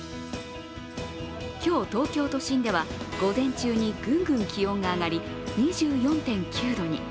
今日、東京都心では午前中にぐんぐん気温が上がり、２４．９度に。